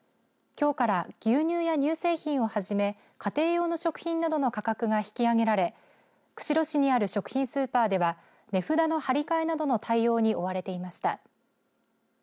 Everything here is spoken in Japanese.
きょうから牛乳や乳製品をはじめ家庭用の食品などの価格が引き上げられ釧路市にある食品スーパーでは値札の貼り替えなどの対応に追われていました。